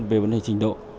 về vấn đề trình độ